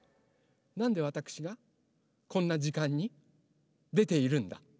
なんでわたくしがこんなじかんにでているんだ？